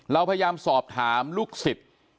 เราพยายามสอบถามลูกศิษย์